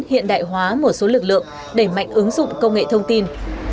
hiện đại hóa một số lực lượng đẩy mạnh ứng dụng công nghệ thông tin